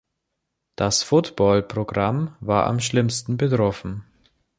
Das Football-Programm war am schlimmsten betroffen.